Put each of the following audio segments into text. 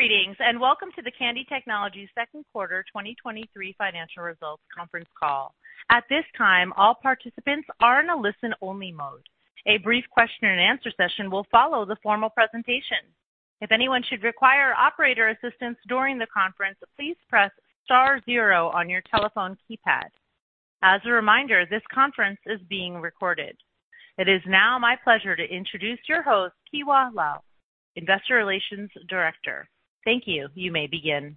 Greetings, welcome to the Kandi Technologies Second Quarter 2023 Financial Results Conference Call. At this time, all participants are in a listen-only mode. A brief question and answer session will follow the formal presentation. If anyone should require operator assistance during the conference, please press Star Zero on your telephone keypad. As a reminder, this conference is being recorded. It is now my pleasure to introduce your host, Kewa Luo, Investor Relations Director. Thank you. You may begin.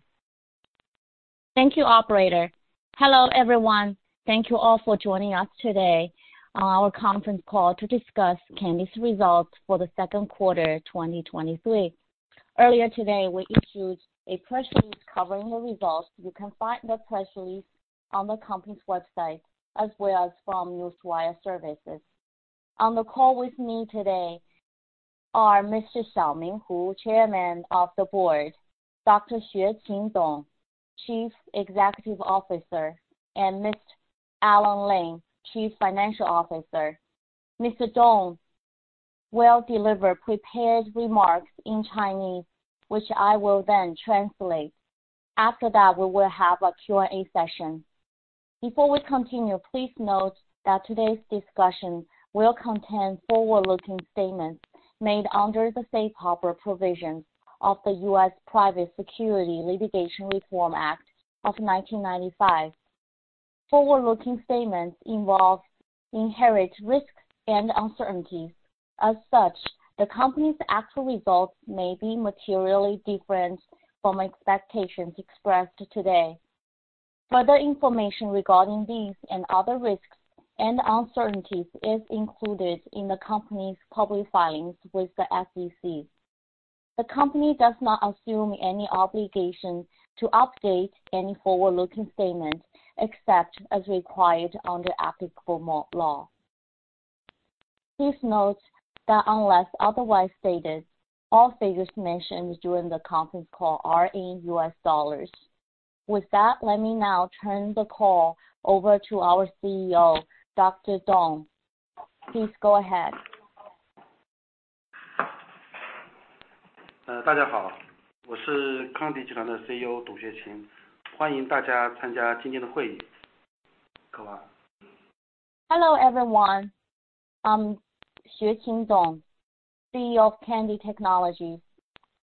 Thank you, operator. Hello, everyone. Thank you all for joining us today on our conference call to discuss Kandi's results for the second quarter, 2023. Earlier today, we issued a press release covering the results. You can find the press release on the company's website as well as from Newswire Services. On the call with me today are Mr. Xiaoming Hu, Chairman of the Board, Dr. Xueqin Dong, Chief Executive Officer, and Mr. Alan Ling, Chief Financial Officer. Mr. Dong will deliver prepared remarks in Chinese, which I will then translate. After that, we will have a Q&A session. Before we continue, please note that today's discussion will contain forward-looking statements made under the safe harbor provisions of the U.S. Private Securities Litigation Reform Act of 1995. Forward-looking statements involve inherent risks and uncertainties. As such, the company's actual results may be materially different from expectations expressed today. Further information regarding these and other risks and uncertainties is included in the company's public filings with the SEC. The company does not assume any obligation to update any forward-looking statements except as required under applicable law. Please note that unless otherwise stated, all figures mentioned during the conference call are in US dollars. With that, let me now turn the call over to our CEO, Dr. Dong. Please go ahead. Hello, everyone. I'm Xueqin Dong, CEO of Kandi Technologies.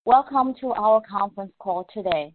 Welcome to our conference call today.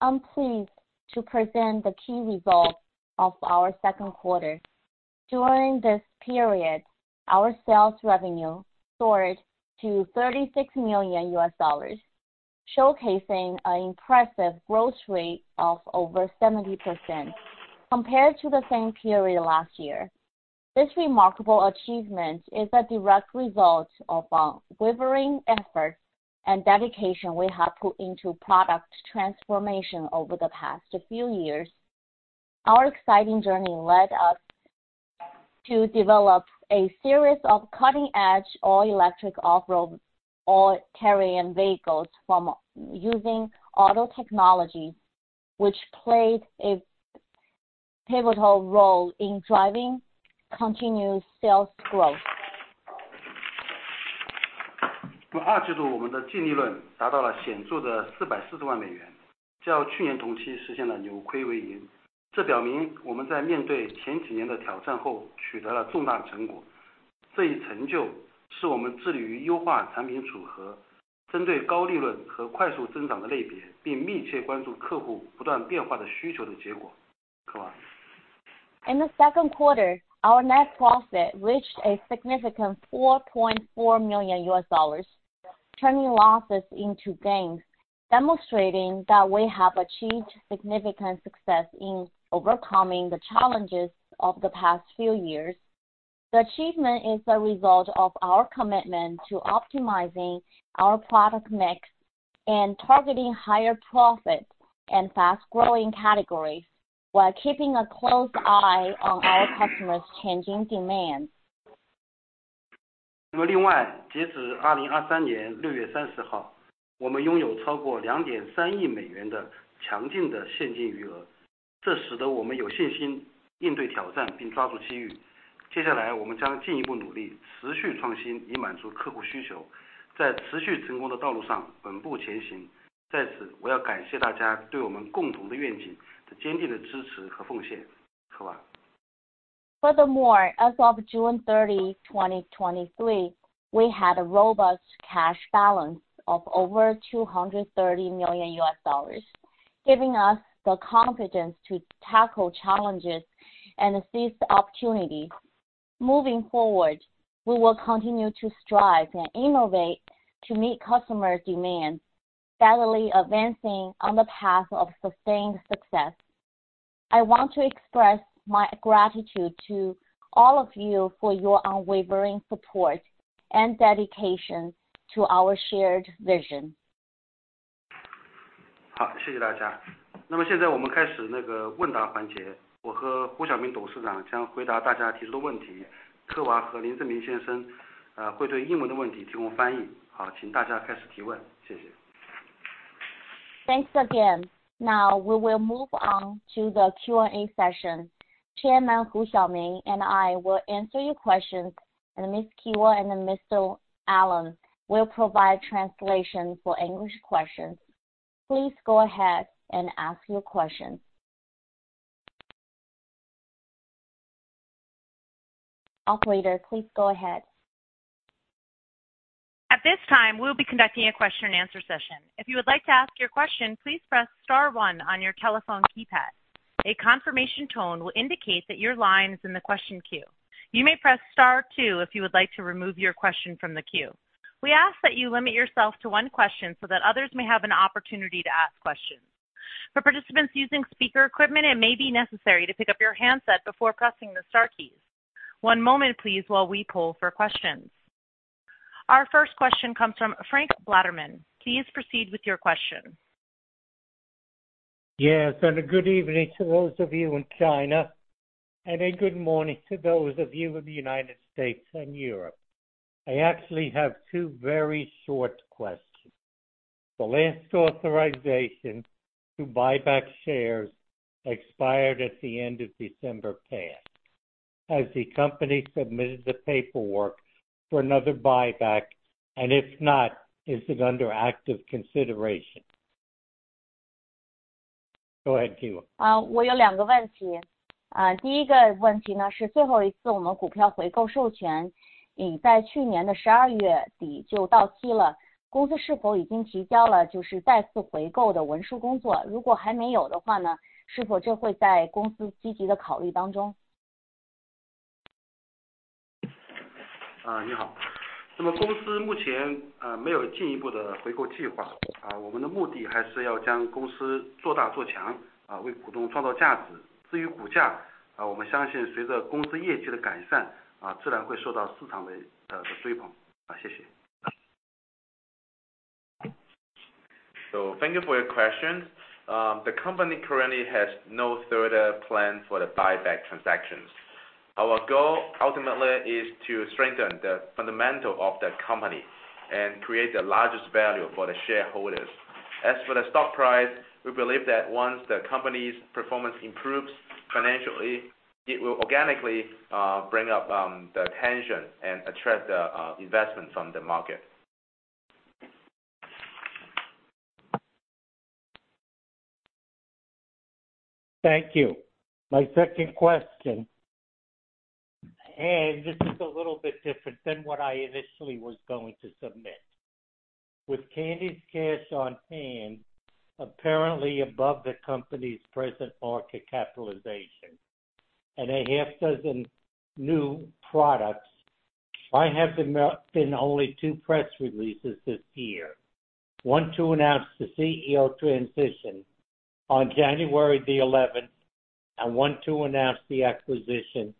I'm pleased to present the key results of our second quarter. During this period, our sales revenue soared to $36 million, showcasing an impressive growth rate of over 70% compared to the same period last year. This remarkable achievement is a direct result of unwavering effort and dedication we have put into product transformation over the past few years. Our exciting journey led us to develop a series of cutting-edge, all-electric off-road all-terrain vehicles from using auto technology, which played a pivotal role in driving continuous sales growth. In the second quarter, our net profit reached a significant $4.4 million, turning losses into gains, demonstrating that we have achieved significant success in overcoming the challenges of the past few years. The achievement is a result of our commitment to optimizing our product mix and targeting higher profits and fast-growing categories, while keeping a close eye on our customers' changing demands. Furthermore, as of June 30, 2023, we had a robust cash balance of over $230 million, giving us the confidence to tackle challenges and seize the opportunity. Moving forward, we will continue to strive and innovate to meet customer demand, steadily advancing on the path of sustained success. I want to express my gratitude to all of you for your unwavering support and dedication to our shared vision. 好， 谢谢大家。那么现在我们开始那个问答环 节， 我和胡晓明董事长将回答大家提出的问 题， 科娃和林正明先 生， 会对英文的问题提供翻译。好， 请大家开始提 问， 谢谢。Thanks again. Now we will move on to the Q&A session, Chairman Xiaoming Hu and I will answer your questions, and Ms. Kewa and Mr. Alan Ling will provide translation for English questions. Please go ahead and ask your questions. Operator, please go ahead. At this time, we'll be conducting a question and answer session. If you would like to ask your question, please press Star One on your telephone keypad. A confirmation tone will indicate that your line is in the question queue. You may press Star Two if you would like to remove your question from the queue. We ask that you limit yourself to one question so that others may have an opportunity to ask questions. For participants using speaker equipment, it may be necessary to pick up your handset before pressing the star keys. One moment, please, while we pull for questions. Our first question comes from Frank Blatterman. Please proceed with your question. Yes, a good evening to those of you in China, and a good morning to those of you in the United States and Europe. I actually have two very short questions. The last authorization to buy back shares expired at the end of December past. Has the company submitted the paperwork for another buyback? If not, is it under active consideration? Go ahead, Kewa. 啊， 我有两个问题。啊， 第一个问题 呢， 是最后一次我们股票回购授 权， 已在去年的十二月底就到期 了， 公司是否已经提交了就是再次回购的文书工 作？ 如果还没有的话 呢， 是否这会在公司积极的考虑当 中？ 你 好， 那么公司目前没有进一步的回购计 划， 我们的目的还是要将公司做大做 强， 为股东创造价值。至于股 价， 我们相信随着公司业绩的改 善， 自然会受到市场的追捧。好， 谢谢。Thank you for your question. The company currently has no further plan for the buyback transactions. Our goal, ultimately, is to strengthen the fundamental of the company and create the largest value for the shareholders. For the stock price, we believe that once the company's performance improves financially, it will organically bring up the attention and attract the investment from the market. Thank you. My second question, and this is a little bit different than what I initially was going to submit. With Kandi's cash on hand, apparently above the company's present market capitalization and a half dozen new products, why have there been only two press releases this year? One to announce the CEO transition on January the 11th, and one to announce the acquisition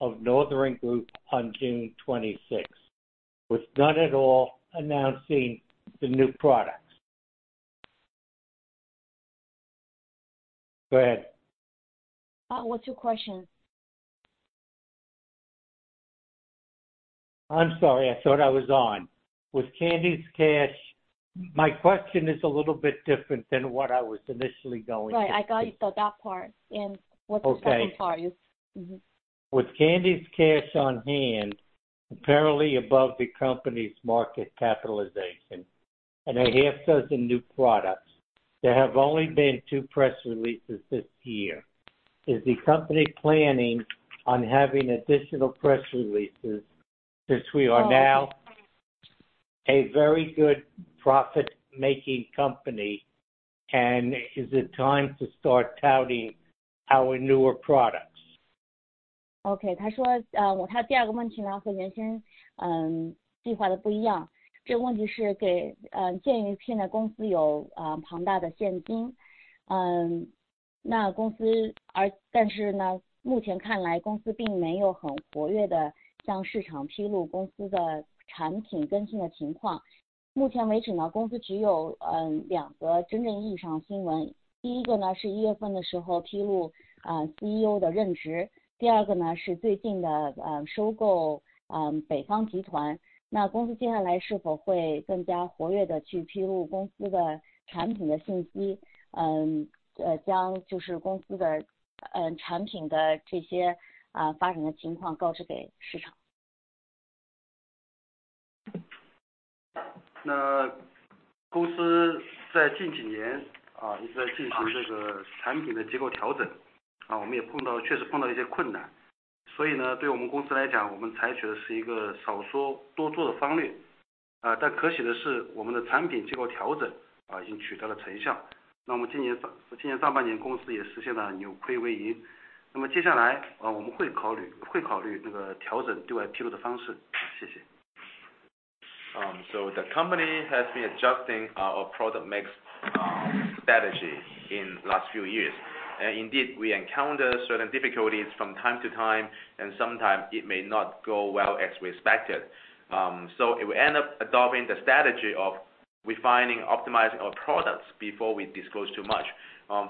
of Northern Group on June 26, with none at all announcing the new products. Go ahead. What's your question? I'm sorry, I thought I was on. With Kandi's cash... My question is a little bit different than what I was initially going to- Right, I got you for that part. What's the second part? Okay. With Kandi's cash on hand, apparently above the company's market capitalization and 6 new products, there have only been two press releases this year. Is the company planning on having additional press releases, since we are now a very good profit-making company? Is it time to start touting our newer products? OK, 他 说, 他第2个问题 呢, 和原先计划的不一 样, 这个问题是 给... 鉴于现在公司有庞大的现 金， 那公司而但是 呢， 目前看 来， 公司并没有很活跃地向市场披露公司的产品更新的情况。目前为止 呢， 公司只有2个真正意义上新 闻， 第一个 呢， 是 January 份的时候披 露， CEO 的任职，第二个呢是最近的收购 Northern Group, 那公司接下来是否会更加活跃地去披露公司的产品的信 息， 将就是公司的产品的这些发展的情况告知给市场。公司在近几 年， 一直在进行这个产品的结构调整，我们也碰 到， 确实碰到一些困 难， 所以 呢， 对我们公司来 讲， 我们采取的是一个少说多做的方略。可喜的 是， 我们的产品结构调 整， 已经取得了成效。今年上半年公司也实现了扭亏为盈。接下 来， 我们会考 虑， 会考虑这个调整对外披露的方式。谢谢。So the company has been adjusting our product mix, strategy in last few years. Indeed, we encounter certain difficulties from time to time, and sometimes it may not go well as we expected. It will end up adopting the strategy of refining, optimizing our products before we disclose too much.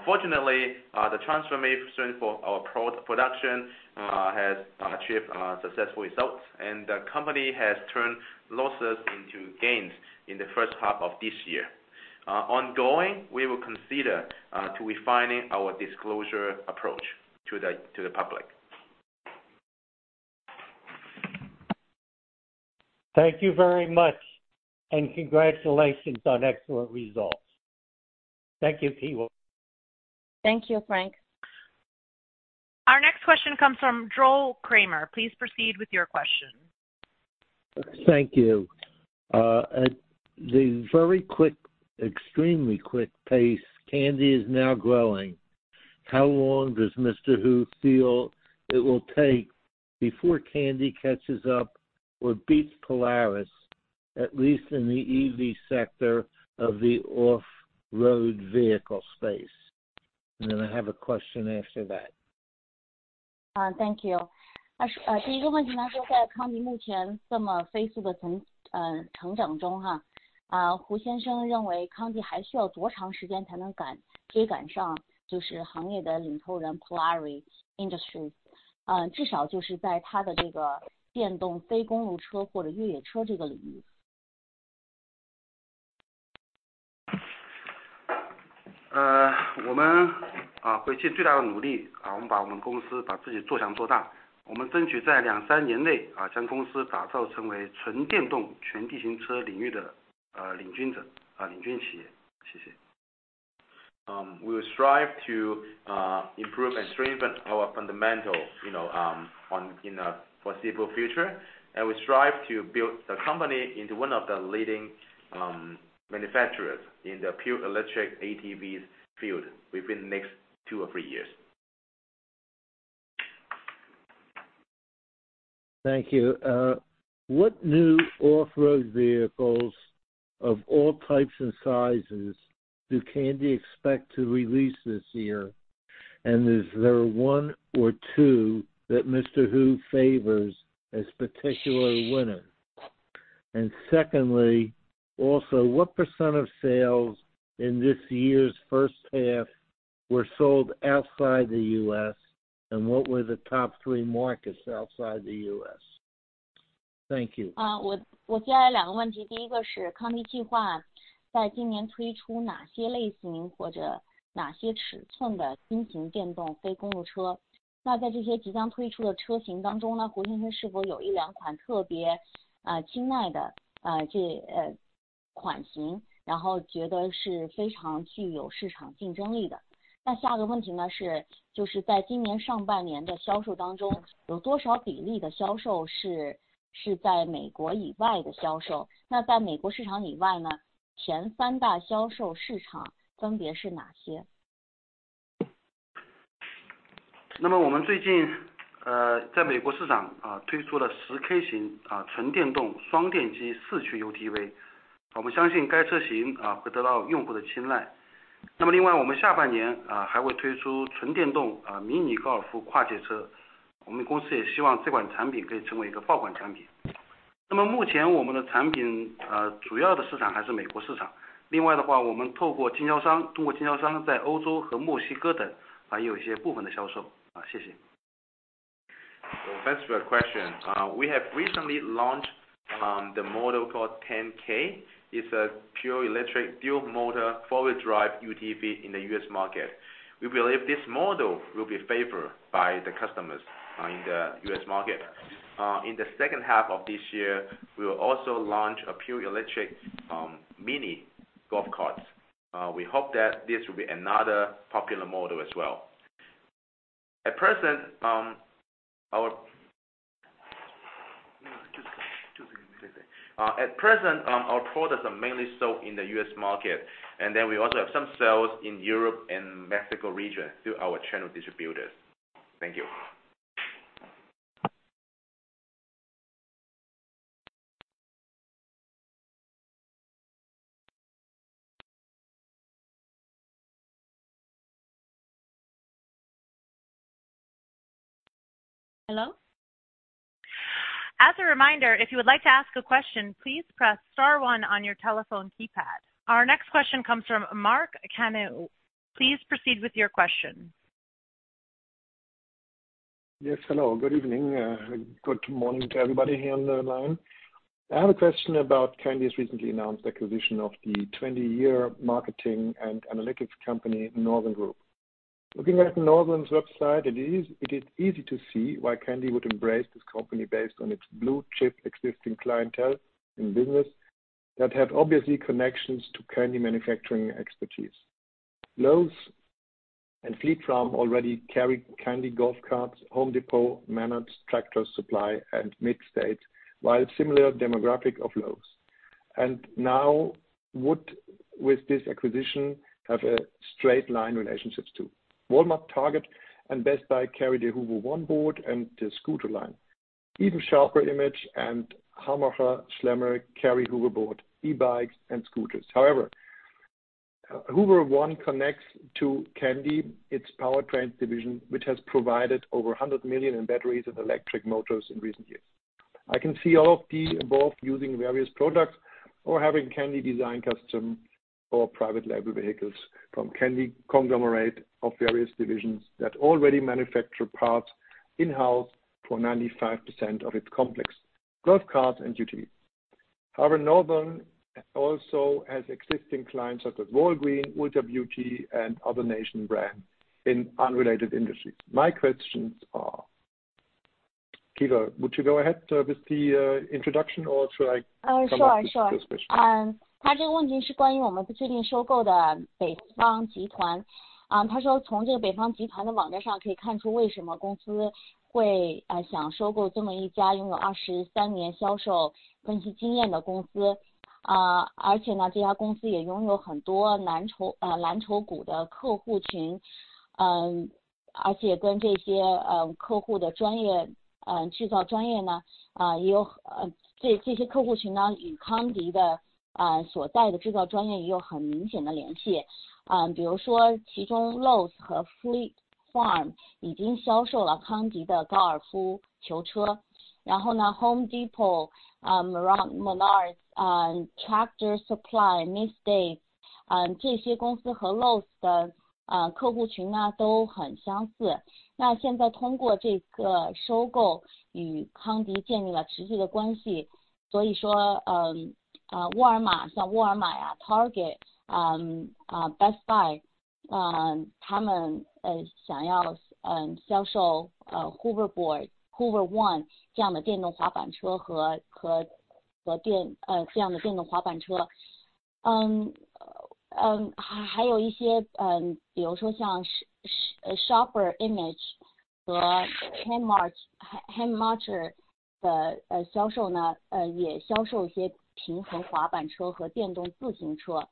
Fortunately, the transformation for our production has achieved successful results, and the company has turned losses into gains in the first half of this year. We will consider to refining our disclosure approach to the public. Thank you very much, and congratulations on excellent results. Thank you, Kewa. Thank you, Frank. Our next question comes from Joel Kramer. Please proceed with your question. Thank you. At the very quick, extremely quick pace, Kandi is now growing, how long does Mr. Hu feel it will take before Kandi catches up or beats Polaris, at least in the EV sector of the off-road vehicle space? Then I have a question after that. thank you. We will strive to improve and strengthen our fundamental, you know, in a foreseeable future, and we strive to build the company into one of the leading manufacturers in the pure electric ATVs field within the next two or three years. Thank you. What new off-road vehicles of all types and sizes do Kandi expect to release this year? Is there one or two that Mr. Hu favors as particular winner? Secondly, also, what % of sales in this year's first half were sold outside the U.S., and what were the top three markets outside the U.S.? Thank you. Uh, Uh, Thanks for your question. We have recently launched the model called 10K. It's a pure electric, dual motor, four-wheel drive, UTV in the U.S. market. We believe this model will be favored by the customers in the U.S. market. In the second half of this year, we will also launch a pure electric mini golf cart. We hope that this will be another popular model as well. At present, our-At present, our products are mainly sold in the U.S. market. We also have some sales in Europe and Mexico region through our channel distributors. Thank you. Hello? As a reminder, if you would like to ask a question, please press star one on your telephone keypad. Our next question comes from Mark Kanu. Please proceed with your question. Yes, hello, good evening, good morning to everybody here on the line. I have a question about Kandi's recently announced acquisition of the 20-year marketing and analytics company, Northern Group. Looking at Northern's website, it is easy to see why Kandi would embrace this company based on its blue-chip existing clientele in business, that have obviously connections to Kandi manufacturing expertise. Lowe's and Fleet Farm already carry Kandi golf carts, Home Depot, Menards, Tractor Supply, and Mid State, while similar demographic of Lowe's. Now, with this acquisition, have a straight-line relationships to. Walmart, Target, and Best Buy carry the Hover One board and the scooter line. Even Sharper Image and Hammacher Schlemmer carry Hoverboard, e-bikes, and scooters. Hover-1 connects to Kandi, its powertrain division, which has provided over $100 million in batteries and electric motors in recent years. I can see all of these involved using various products or having Kandi design custom or private label vehicles from Kandi conglomerate of various divisions that already manufacture parts in-house for 95% of its complex golf carts and UTVs. However, Northern also has existing clients such as Walgreens, Ulta Beauty, and other nation brands in unrelated industries. My questions are: Kewa, would you go ahead with the introduction, or should I? Sure, sure. 他说从这个 Northern Group 的网站上可以看出为什么公司会想收购这么一家拥有23年销售分析经验的公司。这家公司也拥有很多蓝筹蓝筹股的客户 群， 跟这些客户的专业制造专业 呢， 也有这些客户群 呢， 与 Kandi 的所在的制造专业也有很明显的联系。比如说其中 Lowe's 和 Fleet Farm 已经销售了 Kandi 的高尔夫球 车， Home Depot， Around Monar， Tractor Supply, Misty， 这些公司和 Lowe's 的客户群 呢， 都很相似。现在通过这个收购与 Kandi 建立了持续的关 系， 沃尔 玛， 像 Walmart 呀、Target， Best Buy， 他们想要销售 Hoverboard、Hover-1 这样的电动滑板车和这样的电动滑板车。还有一 些， 比如说像是是。Image 和 Hammoch，Hanmacher 的， 呃， 销售 呢， 呃， 也销售一些平衡滑板车和电动自行车。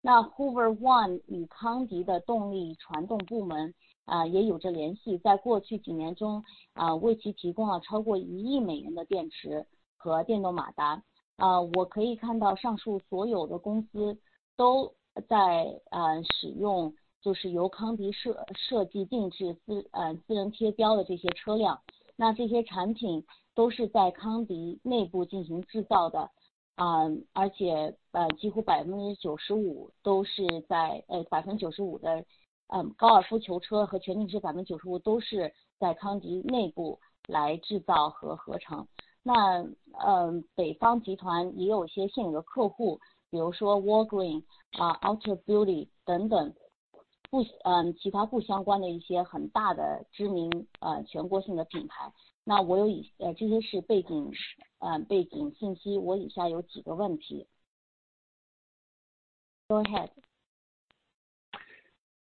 那 Hover-1 与康迪的动力传动部 门， 啊， 也有着联 系， 在过去几年 中， 啊， 为其提供了超过一亿美元的电池和电动马达。啊， 我可以看到上述所有的公司都 在， 啊， 使 用， 就是由康迪设-设计定制自 ，呃， 自认贴标的这些车 辆， 那这些产品都是在康迪内部进行制造的， 啊， 而 且， 呃 ，几 乎百分之九十五都是在 ...呃， 百分之九十五 的， 嗯， 高尔夫球车和全地 车， 百分之九十五都是在康迪内部来制造和合成。那， 嗯， 北方集团也有些现有客 户， 比如说 Walgreens、啊 ，Ulta Beauty 等 等， 不， 嗯， 其他不相关的一些很大的知 名， 呃， 全国性的品牌。那我有 以... 呃， 这些是背 景， 啊， 背景信 息， 我以下有几个问题。Go ahead.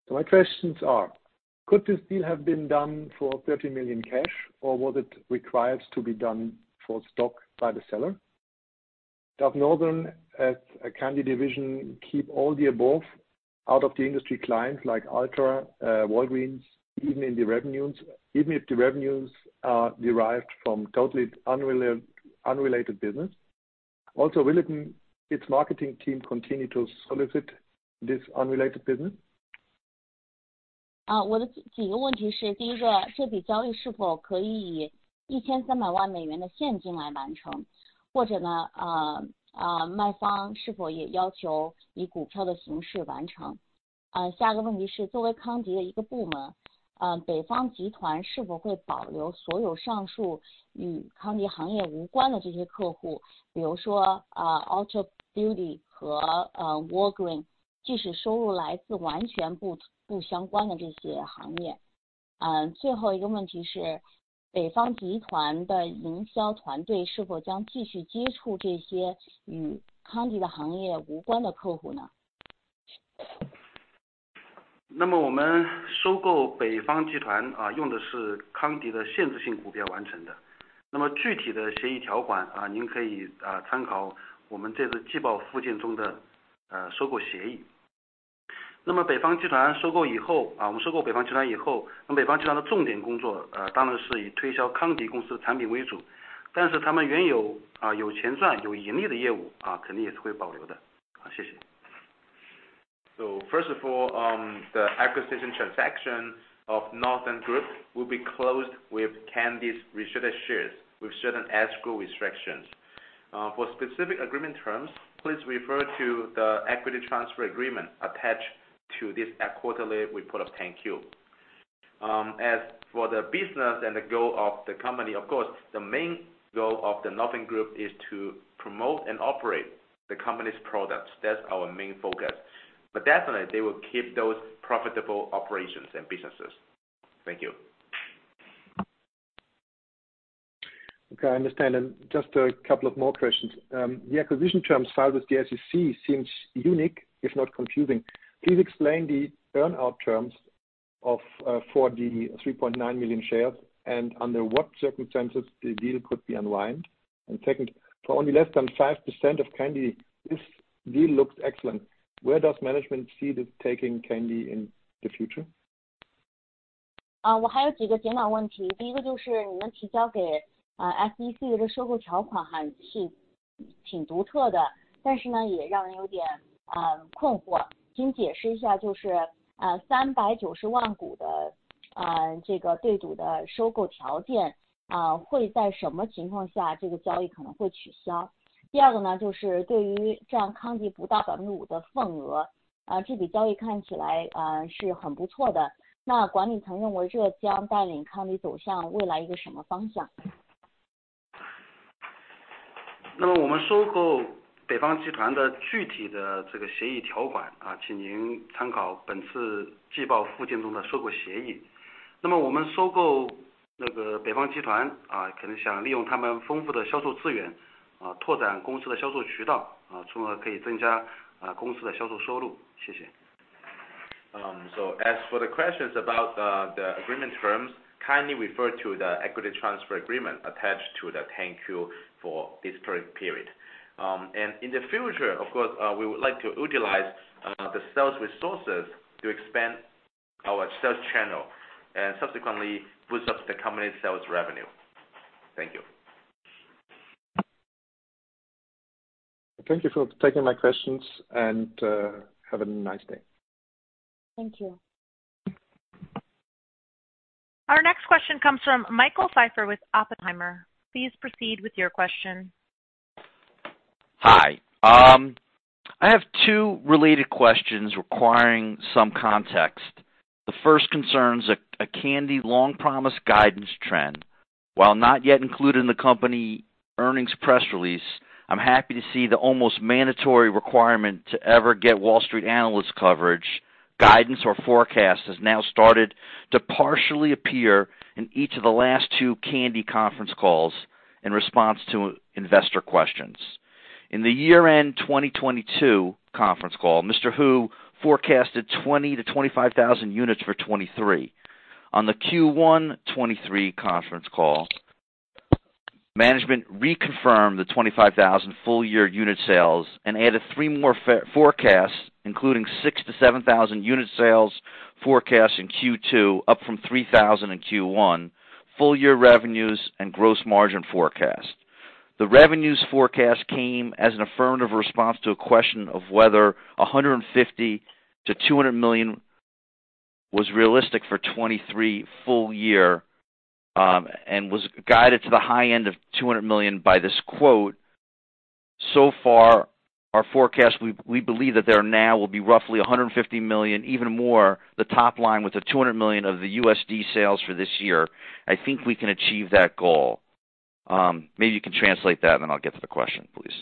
My questions are, could this deal have been done for $30 million cash? Was it required to be done for stock by the seller? Does Northern as a Kandi division keep all the above out of the industry clients like Ulta, Walgreens, even in the revenues, even if the revenues are derived from totally unrelated, unrelated business? Will it, its marketing team continue to solicit this unrelated business? 我的几个问题 是， 第一 个， 这笔交易是否可以以 $13 million 的现金来完 成， 或者卖方是否也要求以股票的形式完 成？ 下一个问题 是， 作为 Kandi 的一个部 门， Northern Group 是否会保留所有上述与 Kandi 行业无关的这些客 户， 比如 说， Ulta Beauty 和 Walgreens， 即使收入来自完全不相关的这些行业。最后一个问题 是， Northern Group 的营销团队是否将继续接触这些与 Kandi 的行业无关的客 户？ 那么我们收购北方集 团， 用的是康迪的限制性股票完成的。那么具体的协议条 款， 您可以参考我们这次季报附件中的收购协议。那么北方集团收购以 后， 我们收购北方集团以 后， 那北方集团的重点工 作， 当然是以推销康迪公司产品为 主， 但是他们原有有钱赚、有盈利的业务肯定也是会保留的。谢谢。First of all, the acquisition transaction of Northern Group will be closed with Kandi's registered shares with certain escrow restrictions. For specific agreement terms, please refer to the equity transfer agreement attached to this quarterly report of 10-Q. As for the business and the goal of the company, of course, the main goal of the Northern Group is to promote and operate the company's products. That's our main focus. Definitely, they will keep those profitable operations and businesses. Thank you. Okay, I understand. Just a couple of more questions. The acquisition terms filed with the SEC seems unique, if not confusing. Please explain the earn-out terms of for the 3.9 million shares, and under what circumstances the deal could be unwind? Second, for only less than 5% of Kandi, this deal looks excellent. Where does management see this taking Kandi in the future?... 我还有几个简短问题。第一个就是你们提交给 SEC 的收购条款是挺独特 的， 也让人有点困惑。请解释 一下， 就是 3.9 million 股的这个对赌的收购 条件， 会在什么情况下这个交易可能会 取消？ 第二个就是对于这样 Kandi 不到 5% 的 份额， 这笔交易看起来是很不错 的， 管理层认为这将带领 Kandi 走向未来一个什么 方向？ 那么我们收购北方集团的具体的这个协议条款 啊， 请您参考本次季报附件中的收购协议。那么我们收购那个北方集 团， 啊， 可能想利用他们丰富的销售资源， 啊， 拓展公司的销售渠 道， 啊， 从而可以增 加， 啊， 公司的销售收入。谢谢。As for the questions about the, the agreement terms, kindly refer to the equity transfer agreement attached to the thank you for this current period. In the future, of course, we would like to utilize the sales resources to expand our sales channel and subsequently boost up the company's sales revenue. Thank you. Thank you for taking my questions and, have a nice day. Thank you. Our next question comes from Michael Pfeiffer with Oppenheimer. Please proceed with your question. Hi, I have two related questions requiring some context. The first concerns a Kandi long promised guidance trend, while not yet included in the company earnings press release, I'm happy to see the almost mandatory requirement to ever get Wall Street analyst coverage, guidance or forecast has now started to partially appear in each of the last two Kandi conference calls in response to investor questions. In the year end 2022 conference call, Mr. Hu forecasted 20,000-25,000 units for 2023. On the Q1 2023 conference call, management reconfirmed the 25,000 full year unit sales and added three more forecasts, including 6,000-7,000 unit sales forecasts in Q2, up from 3,000 in Q1 full year revenues and gross margin forecast. The revenues forecast came as an affirmative response to a question of whether $150 million-$200 million was realistic for 2023 full year, and was guided to the high end of $200 million by this quote. So far, our forecast we, we believe that there now will be roughly $150 million even more the top line with the $200 million of the USD sales for this year. I think we can achieve that goal. Maybe you can translate that, I'll get to the question, please.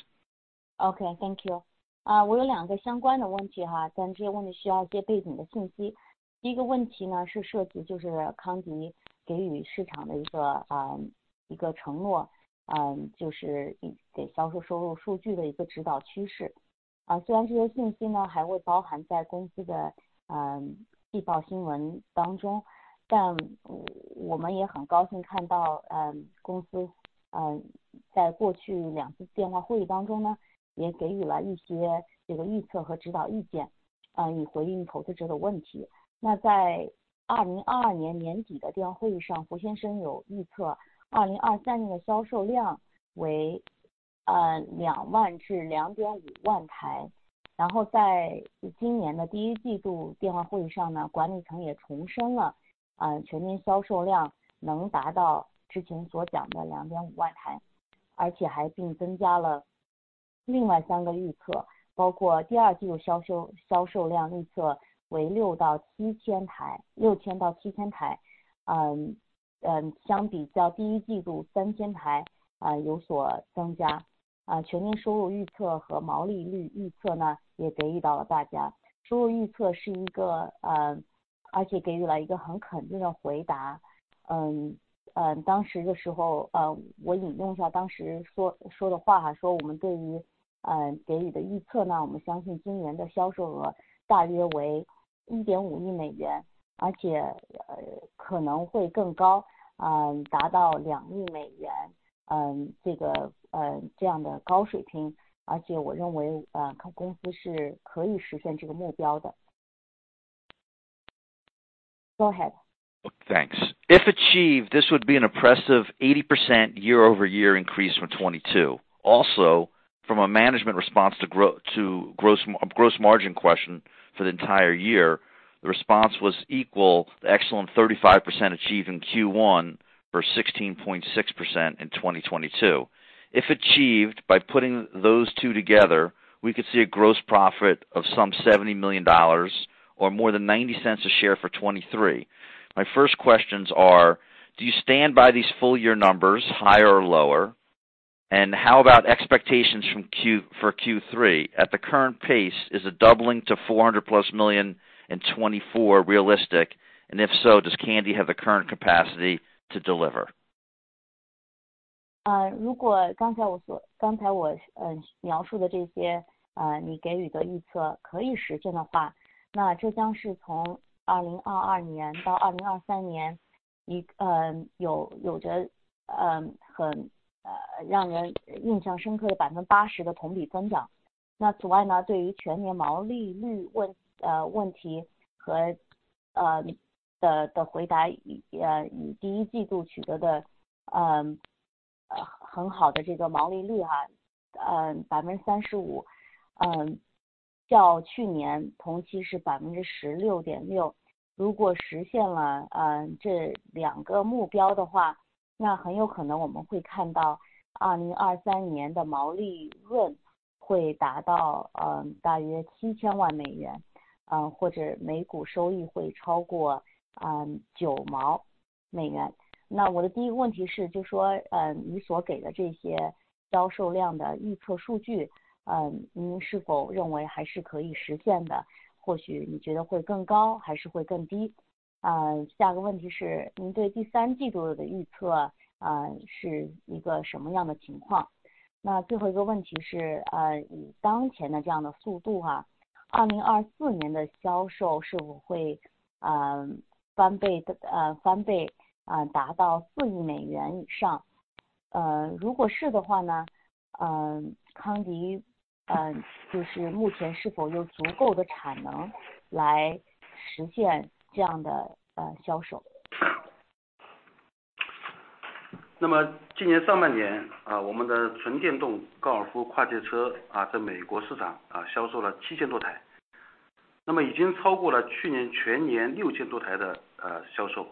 OK，thank you。啊， 我有两个相关的问题 哈， 但这些问题需要一些背景的信息。第一个问题 呢， 是涉及就是康基给予市场的一 个， 呃， 一个承 诺， 嗯， 就是给销售收入数据的一个指导趋势。啊， 虽然这些信息 呢， 还会包含在公司 的， 呃， 季报新闻当 中， 但我们也很高兴看 到， 呃， 公 司， 呃， 在过去两次电话会议当中 呢， 也给予了一些这个预测和指导意 见， 啊， 以回应投资者的问题。那在2022年年底的电话会议 上， 胡先生有预测2023年的销售量 为， 呃， 两万至两点五万台。然后在今年的第一季度电话会议上 呢， 管理层也重申 了， 呃， 全年销售量能达到之前所讲的两点五万 台， 而且还并增加了另外三个预 测， 包括第二季度销 售， 销售量预测为六到七千 台， 六千到七千台。嗯， 嗯， 相比较第一季度三千 台， 啊， 有所增加。啊， 全年收入预测和毛利率预测 呢， 也给予到了大家。收入预测是一 个， 呃， 而且给予了一个很肯定的回答。嗯， 嗯， 当时的时 候， 呃， 我引用一下当时 说， 说的话 哈， 说我们对 于， 呃， 给予的预测 呢， 我们相信今年的销售额大约为一点五亿美 元， 而 且， 呃， 可能会更 高， 嗯， 达到两亿美 元， 嗯， 这 个， 呃， 这样的高水 平， 而且我认 为， 呃， 公司是可以实现这个目标的。Go ahead。Thanks. If achieved, this would be an impressive 80% year-over-year increase from 2022. From a management response to gross margin question for the entire year, the response was equal the excellent 35% achieved in Q1 for 16.6% in 2022. If achieved by putting those two together, we could see a gross profit of some $70 million or more than $0.90 a share for 2023. My first questions are: do you stand by these full year numbers higher or lower? How about expectations from Q for Q3? At the current pace is a doubling to $400+ million in 2024 realistic? If so, does Kandi have the current capacity to deliver? 如果刚才我描述的这些你给予的预测可以实现的 话， 那这将是从2022年到2023 年...... 你呃有有着呃很呃让人印象深刻的百分之八十的同比增长。那此外 呢， 对于全年毛利率问呃问题和呃 的， 的回 答， 也呃以第一季度取得的 呃， 呃很好的这个毛利率 啊， 嗯， 百分之三十 五， 嗯， 较去年同期是百分之十六点六。如果实现 了， 嗯， 这两个目标的 话， 那很有可能我们会看到二零二三年的毛利润会达 到， 嗯， 大约七千万美 元， 嗯， 或者每股收益会超 过， 嗯， 九毛美元。那我的第一个问题 是， 就 说， 嗯， 你所给的这些销售量的预测数 据， 嗯， 您是否认为还是可以实现 的？ 或许你觉得会更高还是会更低？ 嗯， 下一个问题 是， 您对第三季度的预 测， 呃， 是一个什么样的情 况？ 那最后一个问题 是， 呃， 以当前的这样的速度 啊， 二零二四年的销售是否 会， 呃， 翻倍 的， 呃， 翻 倍， 呃， 达到四亿美元以 上？ 呃， 如果是的话 呢， 嗯， 康 迪， 嗯， 就是目前是否有足够的产能来实现这样 的， 呃， 销售。今年上半 年， 我们的纯电动高尔夫跨界车在美国市场销售了 7,000 多 台， 已经超过了去年全年 6,000 多台的销售。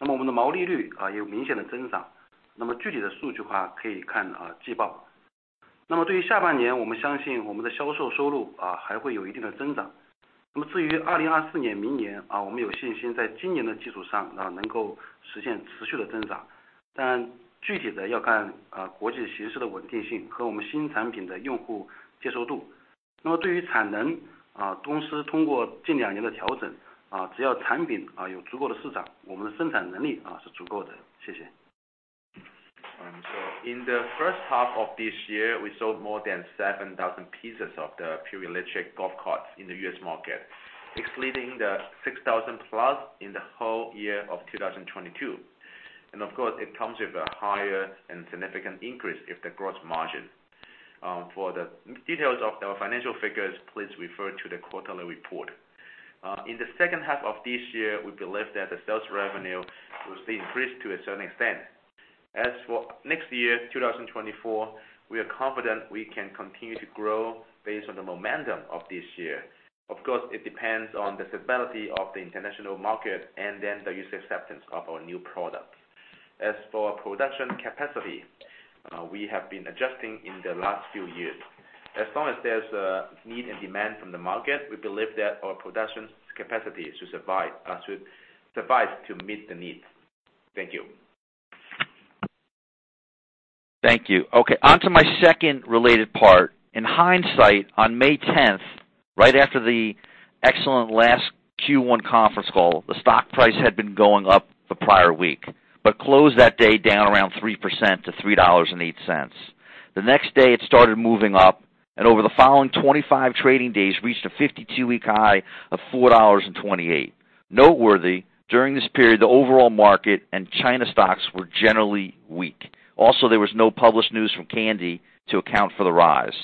我们的毛利率也有明显的增 长， 具体的数据的话可以看季报。对于下半 年， 我们相信我们的销售收入还会有一定的增长。至于2024 年， 明年我们有信心在今年的基础上能够实现持续的增 长， 但具体的要看国际形势的稳定性和我们新产品的用户接受度。对于产 能， 公司通过近两年的调 整， 只要产品有足够的市 场， 我们的生产能力是足够 的， 谢谢。In the first half of this year, we sold more than 7,000 pieces of the pure electric golf carts in the U.S. market, excluding the 6,000 plus in the whole year of 2022. Of course it comes with a higher and significant increase if the gross margin. For the details of our financial figures, please refer to the quarterly report. In the second half of this year, we believe that the sales revenue will still increase to a certain extent. As for next year, 2024, we are confident we can continue to grow based on the momentum of this year. Of course, it depends on the stability of the international market and then the user acceptance of our new products. As for production capacity, we have been adjusting in the last few years. As long as there's a need and demand from the market, we believe that our production capacity is to survive, to suffice to meet the needs. Thank you. Thank you. OK, onto my second related part. In hindsight, on May 10th, right after the excellent last Q1 conference call, the stock price had been going up the prior week, but closed that day down around 3% to $3.08. The next day, it started moving up, and over the following 25 trading days reached a 52 week high of $4.28. Noteworthy, during this period, the overall market and China stocks were generally weak. There was no published news from Kandi to account for the rise.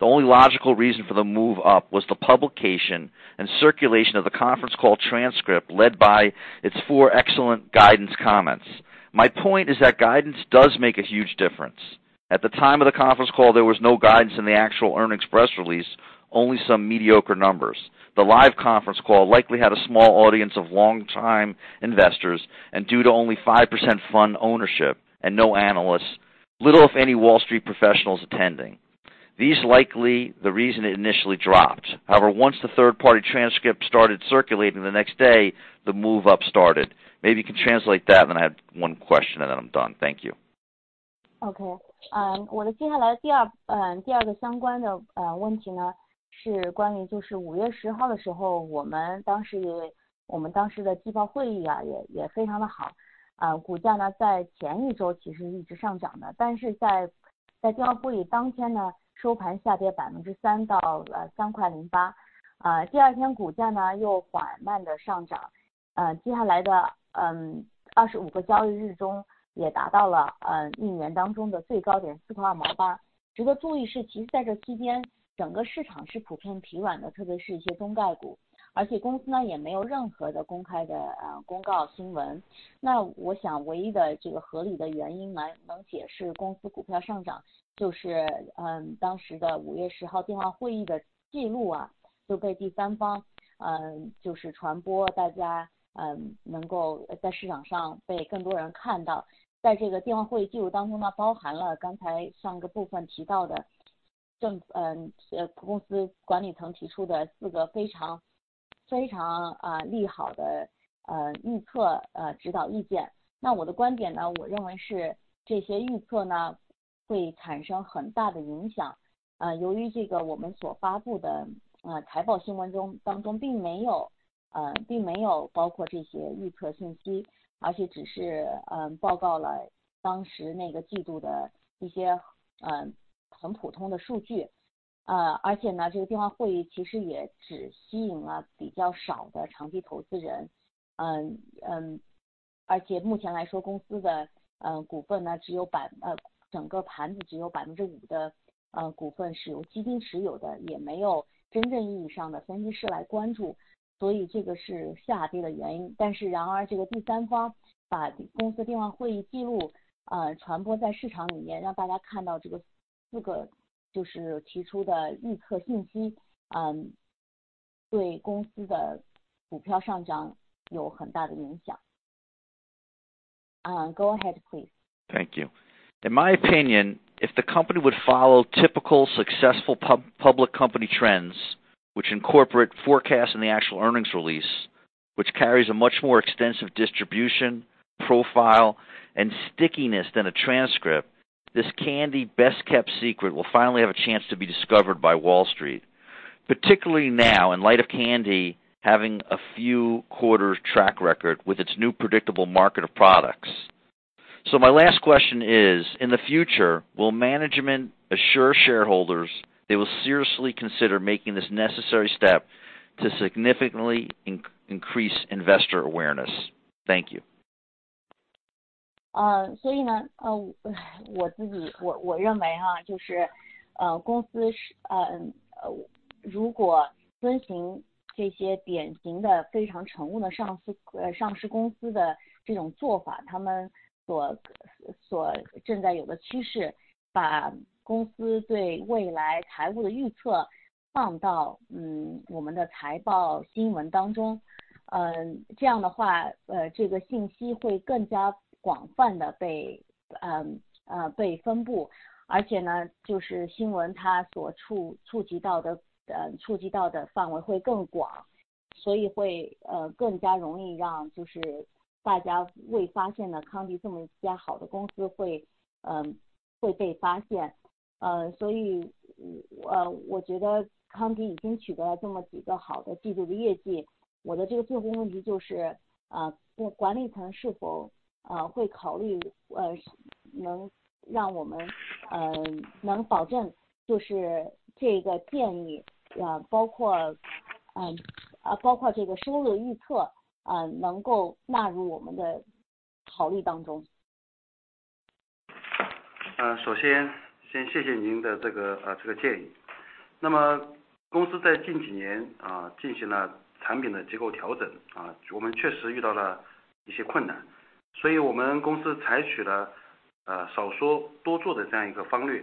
The only logical reason for the move up was the publication and circulation of the conference call transcript, led by its four excellent guidance comments. My point is that guidance does make a huge difference. At the time of the conference call, there was no guidance in the actual earn express release, only some mediocre numbers. The live conference call likely had a small audience of long time investors and due to only 5% fund ownership and no analysts, little if any Wall Street professionals attending. These likely the reason it initially dropped. Once the third party transcript started circulating the next day, the move up started. Maybe you can translate that, then I have one question and then I'm done. Thank you. OK， 嗯， 我的接下来第 二， 呃， 第二个相关 的， 呃， 问题 呢， 是关于就是五月十号的时 候， 我们当时也我们当时的季报会议 啊， 也， 也非常的好。啊， 股价 呢， 在前一周其实是一直上涨 的， 但是在在电话会议当天 呢， 收盘下跌百分之三 到， 呃， 三块零八。啊， 第二天股价 呢， 又缓慢地上 涨， 呃， 接下来 的， 嗯， 二十五个交易日中也达到 了， 嗯， 一年当中的最高 点， 四块二毛八。值得注意 是， 其实在这期间整个市场是普遍疲软 的， 特别是一些中概股，而且公司 呢， 也没有任何的公开 的， 呃， 公告新闻。那我想唯一的这个合理的原因来能解释公司股票上 涨， 就 是， 嗯， 当时的五月十号电话会议的记录 啊， 就被第三 方， 嗯， 就是传 播， 大 家， 嗯， 能够 呃， 在市场上被更多人看到。在这个电话会议记录当中 呢， 包含了刚才上个部分提到的 正， 嗯， 呃， 公司管理层提出的四个非 常， 非 常， 啊， 利好 的， 呃， 预 测， 呃， 指导意见。那我的观点 呢， 我认为是这些预测 呢， 会产生很大的影响。啊， 由于这个我们所发布 的， 呃， 财报新闻中当中并没 有， 呃， 并没有包括这些预测信 息， 而且只 是， 嗯， 报告了当时那个季度的一 些， 嗯， 很普通的数据。...这个电话会议其实也只吸引了比较少的长期投资人。目前来 说， 公司的股份 呢， 整个盘子只有 5% 的股份是由基金持有 的， 也没有真正意义上的分析师来关 注， 这个是下跌的原因。这个第三方把公司电话会议记录传播在市场里 面， 让大家看到这个4个就是提出的预测信 息， 对公司的股票上涨有很大的影响。Go ahead please. Thank you. In my opinion, if the company would follow typical successful public company trends, which incorporate forecast in the actual earnings release, which carries a much more extensive distribution, profile and stickiness than a transcript, this Kandi best kept secret will finally have a chance to be discovered by Wall Street, particularly now in light of Kandi having a few quarters track record with its new predictable market of products. My last question is: in the future will management assure shareholders they will seriously consider making this necessary step to significantly increase investor awareness? Thank you. 呢, 我自己我认为 哈, 就是公司 是, 如果遵循这些典型的非常诚悟的上 市, 上市公司的这种做 法, 他们所正在有的趋 势, 把公司对未来财务的预测放到我们的财报新闻当 中, 这样的 话, 这个信息会更加广泛地被被分 布, 而且 呢, 就是新闻它所触及到 的, 触及到的范围会更 广, 会更加容易让就是大家未发现的 Kandi 这么一家好的公司会被发 现. 我觉得 Kandi 已经取得了这么几个好的季度的业 绩, 我的这个最后问题就 是, 那管理层是否会考 虑, 能让我 们, 能保证就是这个建 议, 包 括, 包括这个收入预 测, 能够纳入我们的考虑当 中. 首先先谢谢您的这 个， 这个建议。那么公司在近几 年， 进行了产品的结构调 整， 我们确实遇到了一些困难，所以我们公司采取了少说多做的这样一个方略。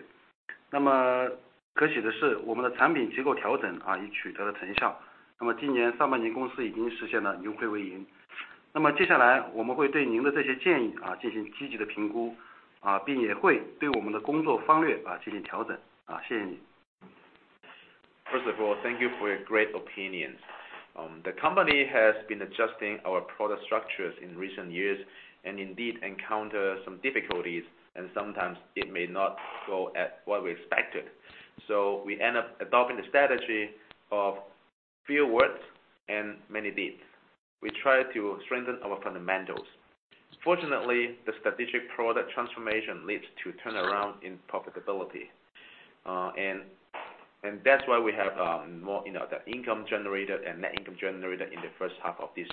那么可喜的 是， 我们的产品结构调 整， 已取得了成效。那么今年上半年公司已经实现了扭亏为盈。那么接下来我们会对您的这些建 议， 进行积极的评 估， 并也会对我们的工作方 略， 进行调整。谢谢你。First of all, thank you for your great opinions. The company has been adjusting our product structures in recent years and indeed encounter some difficulties and sometimes it may not go at what we expected. We end up adopting the strategy of few words and many deeds. We try to strengthen our fundamentals. Fortunately, the strategic product transformation leads to turn around in profitability. That's why we have more, you know, the income generated and net income generated in the first half of this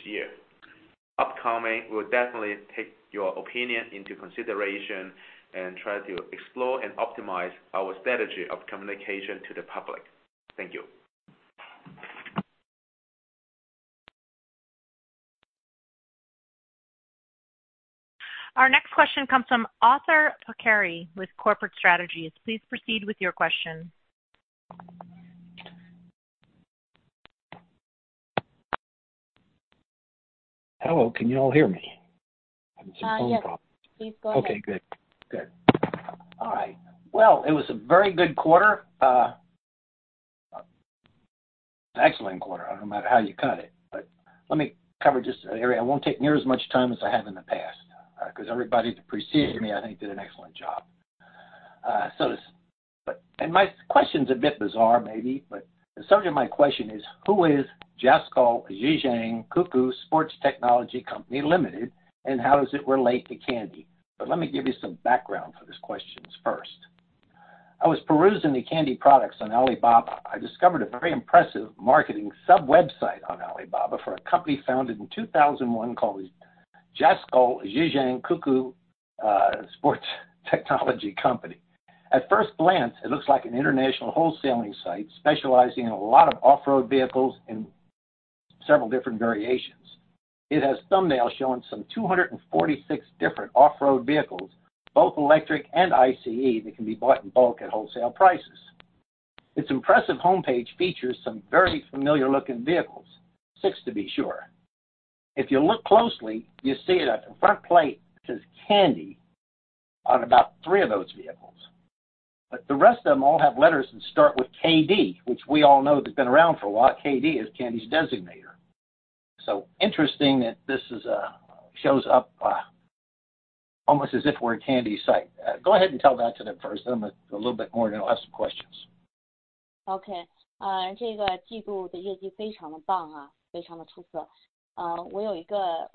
year. Upcoming, we will definitely take your opinion into consideration and try to explore and optimize our strategy of communication to the public. Thank you. Our next question comes from Arthur Perry with Corporate Strategies. Please proceed with your question. Hello, can you all hear me? Ah, yes. Please go ahead. OK, good, good. All right. Well, it was a very good quarter, excellent quarter, no matter how you cut it. Let me cover just an area. I won't take near as much time as I have in the past, because everybody preceded me, I think did an excellent job. My question is a bit bizarre maybe, but the subject of my question is: who is Jasco Zhejiang Cuckoo Sports Technology Company Limited, and how does it relate to Kandi? Let me give you some background for this question first. I was perusing the Kandi products on Alibaba. I discovered a very impressive marketing sub website on Alibaba for a company founded in 2001, called Jasco Zhejiang Cuckoo Sports Technology Company. At first glance, it looks like an international wholesaling site specializing in a lot of off-road vehicles in several different variations. It has thumbnails showing some 246 different off-road vehicles, both electric and ICE, that can be bought in bulk at wholesale prices. Its impressive homepage features some very familiar looking vehicles, six to be sure. If you look closely, you'll see that the front plate says Kandi on about three of those vehicles, but the rest of them all have letters that start with KD, which we all know that's been around for a while. KD is Kandi's designator. Interesting that this is a... shows up, almost as if we're a Kandi site. Go ahead and tell that to them first, then a little bit more, then I'll ask some questions. OK, 这个季度的业绩非常的棒 啊， 非常的出色。我有一个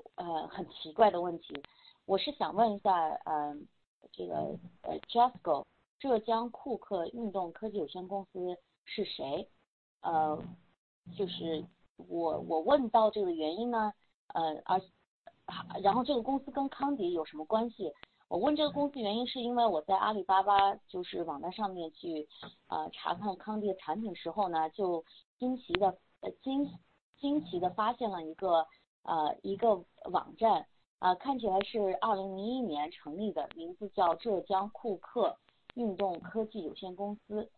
很奇怪的问 题， 我是想问一 下， 这个 Jasco 浙江库克运动科技有限公司是 谁？ 就是 我， 我问到这个原因 呢， 然后这个公司跟 Kandi 有什么关 系？ 我问这个公司原因是因为我在 Alibaba 就是网站上面去查看 Kandi 产品时候 呢， 就惊奇地惊奇地发现了一个网 站， 看起来是2001年成立 的， 名字叫 Zhejiang Cuckoo Sports Technology Company Limited.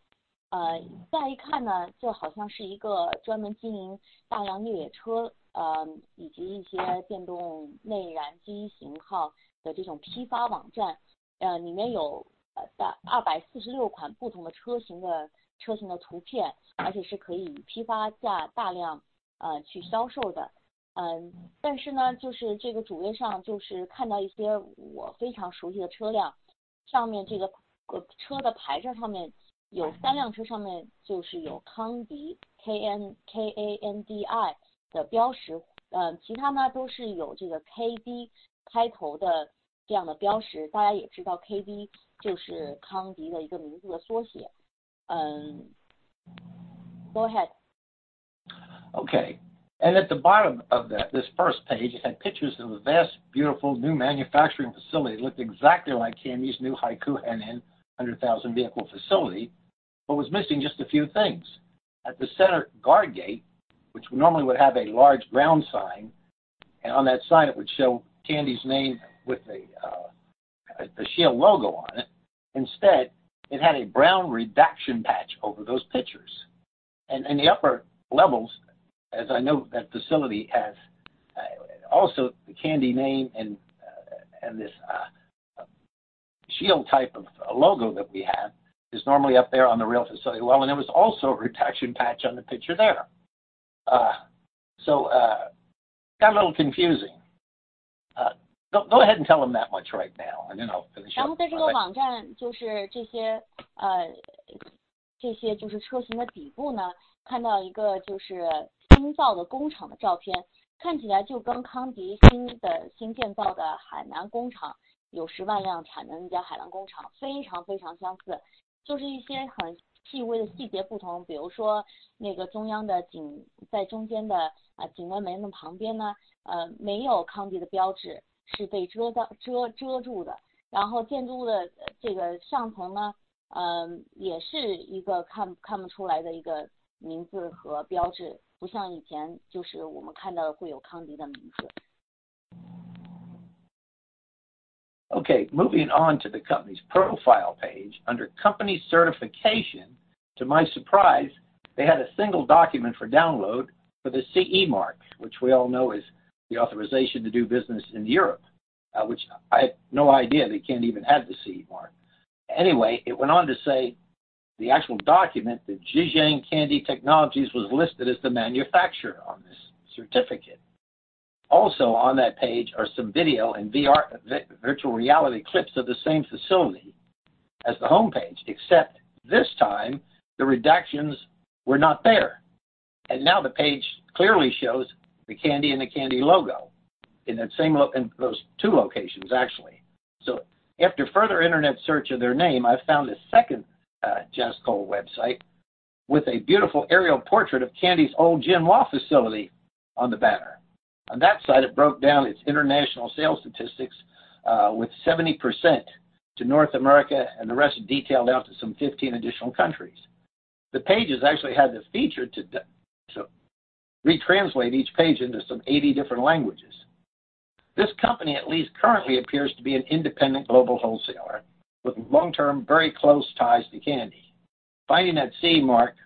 再一看 呢， 就好像是一个专门经营大梁越野 车， 以及一些电动内燃机型号的这种批发网 站， 里面有246款不同的车型的车型的图 片， 而且是可以以批发价大量去销售的。但是 呢， 就是这个主页上就是看到一些我非常熟悉的车 辆， 上面这个车的牌照上面有3辆 车， 上面就是有 Kandi KANDI 的标 识， 其他 呢， 都是有这个 KD 开头的这样的标识。大家也知道 KD 就是 Kandi 的一个名字的缩写。Go ahead. OK, at the bottom of that this first page had pictures of a vast, beautiful new manufacturing facility looked exactly like Kandi's new Haikou, and 100,000 vehicle facility, but was missing just a few things. At the center guard gate, which normally would have a large brown sign, and on that sign it would show Kandi's name with a shield logo on it. Instead, it had a brown redaction patch over those pictures. The upper levels, as I know, that facility has also the Kandi name and this shield type of logo that we have is normally up there on the real facility, well, and there was also a redaction patch on the picture there. Got a little confusing. Go ahead and tell them that much right now, and then I'll finish. 在这个网 站， 就是这 些， 这些就是车型的底部 呢， 看到一个就是新造的工厂的照 片， 看起来就跟 Kandi 新的新建造的 Hainan 工 厂， 有 100,000 辆产能的那家 Hainan 工厂非常非常相 似， 就是一些很细微的细节不同。比如说那个中央的警在中间 的， 警卫门的旁边 呢， 没有 Kandi 的标 志， 是被遮 挡， 遮住的。建筑的这个上层 呢， 也是一个 看， 看不出来的一个名字和标 志， 不像以前就是我们看到的会有 Kandi 的名字。OK, moving on to the company's profile page under company certification. To my surprise, they had a single document for download for the CE mark, which we all know is the authorization to do business in Europe, which I had no idea they can't even have the CE mark. Anyway, it went on to say the actual document that Zhejiang Kandi Technologies was listed as the manufacturer on this certificate. On that page are some video and VR virtual reality clips of the same facility as the homepage, except this time the redactions were not there, and now the page clearly shows the Kandi and the Kandi logo in that same lo- in those two locations actually. After further Internet search of their name, I found a second Jasco website with a beautiful aerial portrait of Kandi's old Jinhua facility on the banner. On that site, it broke down its international sales statistics, with 70% to North America, and the rest detailed out to some 15 additional countries. The pages actually had the feature to so retranslate each page into some 80 different languages. This company at least currently appears to be an independent global wholesaler with long term, very close ties to Kandi. Finding that CE mark,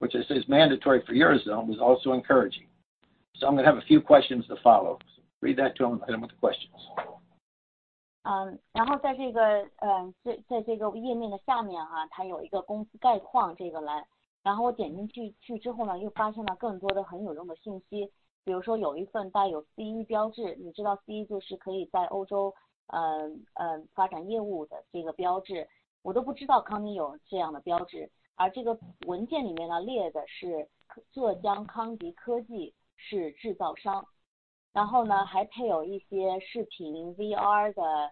which is mandatory for Eurozone, was also encouraging. I'm going to have a few questions to follow. Read that to them and hit them with the questions. 在这个页面的下 面， 它有一个公司概况这个 栏， 然后我点进 去， 去之后 呢， 又发现了更多的很有用的信 息， 比如说有一份带有 CE mark， 你知道 CE 就是可以在 Europe 发展业务的这个标 志， 我都不知道 Kandi 有这样的标志。这个文件里面 呢， 列的是 Zhejiang Kandi Technologies 是制造 商， 然后 呢， 还配有一些视频 VR 的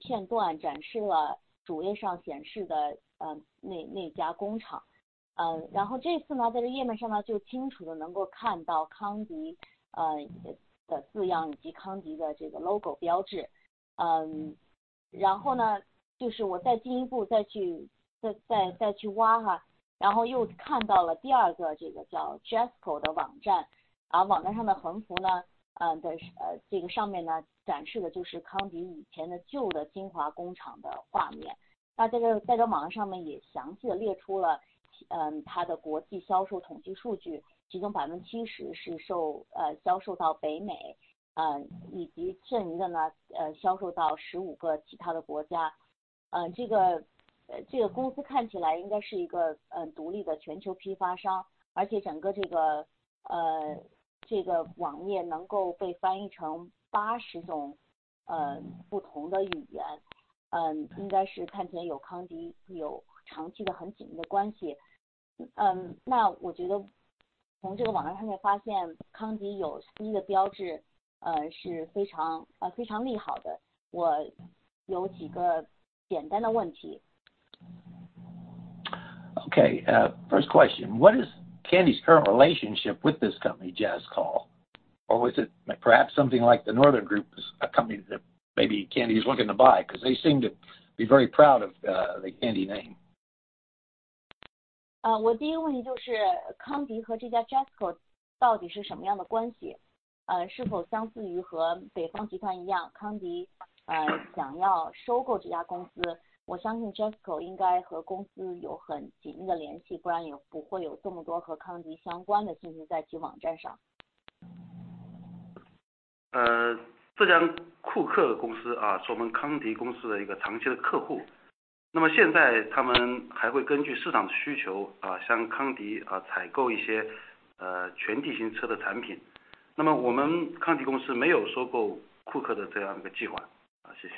片 段， 展示了主页上显示的那家工厂。这次 呢， 在这个页面上 呢， 就清楚地能够看到 Kandi 的字 样， 以及 Kandi 的这个 LOGO 标志。就是我再进一步再去挖 哈， 然后又看到了第二个这个叫 Jasco 的网站，网站上的横幅 呢， 在这个上面 呢， 展示的就是 Kandi 以前的旧的 Jinhua 工厂的画面。在这个网站上面也详细地列出了它的国际销售统计数 据， 其中 70% 是售销售到 North America， 以及剩余的 呢， 销售到15个其他的国家。这个公司看起来应该是一个独立的全球批发 商， 而且整个这个网页能够被翻译成80种不同的语 言， 应该是看起来有 Kandi 有长期的很紧密的关系。我觉得从这个网站上面发现 Kandi 有 CE mark， 是非常非常利好的。我有几个简单的问题。OK, first question, what is Kandi's current relationship with this company Jasco? Is it perhaps something like the Northern Group, a company that maybe Kandi is looking to buy? Because they seem to be very proud of the Kandi name. 我第一个问题就是 Kandi 和这家 Jasco 到底是什么样的关 系? 是否相似于和 Northern Group 一 样, Kandi 想要收购这家公司。我相信 Jasco 应该和公司有很紧密的联 系, 不然也不会有这么多和 Kandi 相关的信息在其网站上。浙江库克公司是我们康迪公司的一个长期的客 户， 那么现在他们还会根据市场的需 求， 向康迪采购一些全地形车的产品。那么我们康迪公司没有收购库克的这样一个计划。谢谢。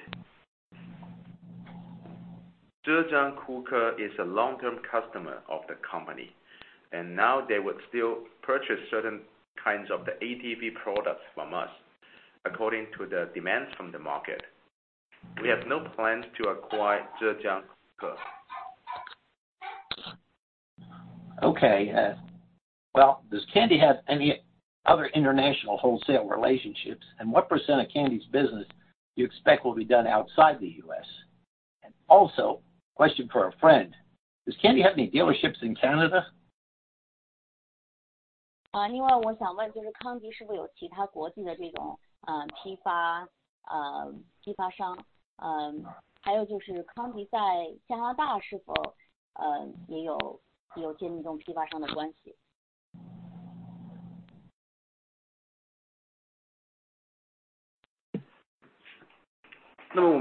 Zhejiang Cuckoo is a long-term customer of the company. Now they would still purchase certain kinds of the ATV products from us, according to the demands from the market. We have no plan to acquire Zhejiang Cuckoo. OK, well, does Kandi have any other international wholesale relationships? What percent of Kandi's business you expect will be done outside the U.S.? Also, question for a friend, does Kandi have any dealerships in Canada? 另外我想问就是康迪是不是有其他国际的这种批 发， 批发商。还有就是康迪在加拿大是否也 有， 也有建立这种批发商的关系。那么我们现在 啊， 没有这个其他的批发商 啊， 我们主要是但是有一些小客户 啊，